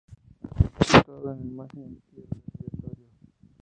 Situado en la margen izquierda del Río Torío.